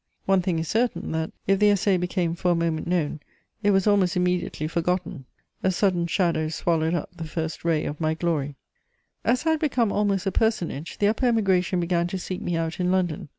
One thing is certain, that, if the Essai became for a moment known, it was almost immediately forgotten: a sudden shadow swallowed up the first ray of my glory. [Sidenote: Mrs. O'Larry.] As I had become almost a personage, the upper Emigration began to seek me out in London.